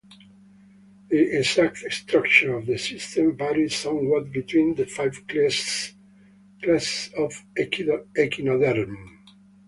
The exact structure of the system varies somewhat between the five classes of echinoderm.